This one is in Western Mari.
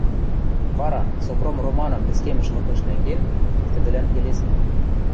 Вара, Сопром Романым пӹцкемӹш лыкыш нӓнген, тӹдӹлӓн келесӓ: